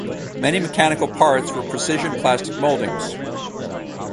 Many mechanical parts were precision plastic moldings.